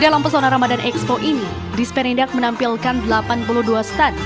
dalam pesona ramadhan ekspo ini dispen indak menampilkan delapan puluh dua stan